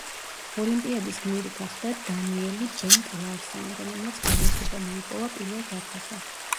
ოლიმპიადის გმირი გახდა დანიელი ბენტ ლარსენი, რომელმაც გამარჯვება მოიპოვა პირველ დაფაზე.